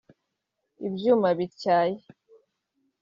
ibyuma bityaye